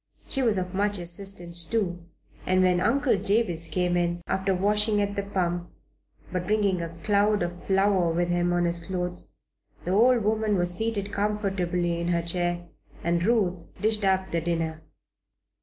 She was of much assistance, too, and when Uncle Jabez came in, after washing at the pump, but bringing a cloud of flour with him on his clothes, the old woman was seated comfortably in her chair and Ruth "dished up the dinner."